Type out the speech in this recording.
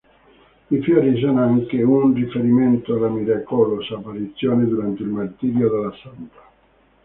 I fiori sono anche un riferimento alla miracolosa apparizione durante il martirio della santa.